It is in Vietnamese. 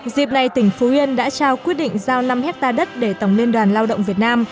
dịp này tỉnh phú yên đã trao quyết định giao năm hectare đất để tổng liên đoàn lao động việt nam